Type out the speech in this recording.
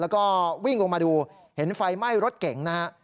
แล้วก็วิ่งลงมาดูเห็นไฟไหม้รถเก่งนะฮะ